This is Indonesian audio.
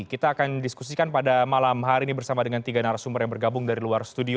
kita akan diskusikan pada malam hari ini bersama dengan tiga narasumber yang bergabung dari luar studio